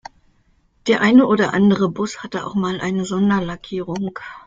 Der eine oder andere Bus hatte auch mal eine Sonderlackierung.